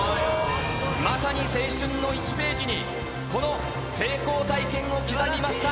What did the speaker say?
まさに青春の１ページにこの成功体験をつなぎました。